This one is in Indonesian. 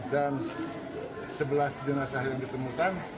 dan sebelah jenazah yang ditemukan